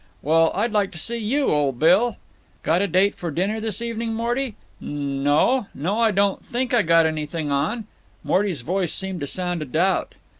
"Well, I'd like to see you, old Bill!" "Got a date for dinner this evening, Morty?" "N no. No, I don't think I've got anything on." Morton's voice seemed to sound a doubt. Mr.